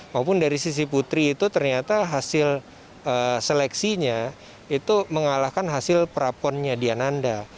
maupun dari sisi putri itu ternyata hasil seleksinya itu mengalahkan hasil praponnya diananda